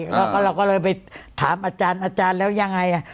เราก็เลยไปถามอาจารย์แล้วยังไง